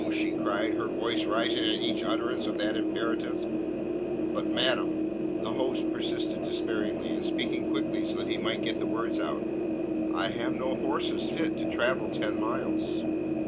she cried, her voice rising at each utterance of that imperative. "But, madam," the host persisted despairingly, and speaking quickly so that he might get the words out, "I have no horses fit to travel ten miles."